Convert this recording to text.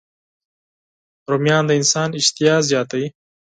رومیان د انسان اشتها زیاتوي